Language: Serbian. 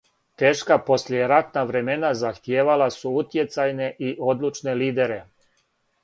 Тешка послијератна времена захтијевала су утјецајне и одлучне лидере.